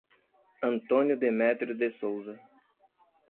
Antônio Demetrio de Souza